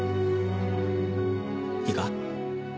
いいか？